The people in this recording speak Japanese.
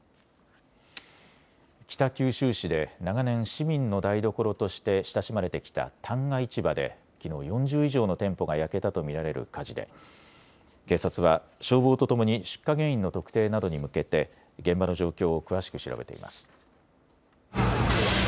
北九州市で長年、市民の台所として親しまれてきた旦過市場できのう４０以上の店舗が焼けたと見られる火事で警察は消防とともに出火原因の特定などに向けて現場の状況を詳しく調べています。